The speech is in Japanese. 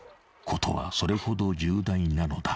事はそれほど重大なのだ］